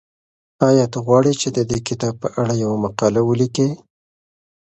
ایا ته غواړې چې د دې کتاب په اړه یوه مقاله ولیکې؟